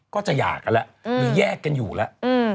ก็จะหย่ากันแล้วหรือแยกกันอยู่แล้ว